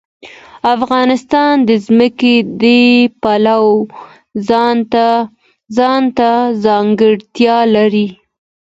افغانستان د ځمکه د پلوه ځانته ځانګړتیا لري.